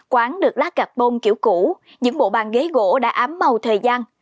quán được lá gạc bông kiểu cũ những bộ bàn ghế gỗ đã ám màu thời gian